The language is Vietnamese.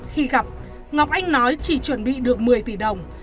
khi gặp ngọc anh nói chỉ chuẩn bị được một mươi tỷ đồng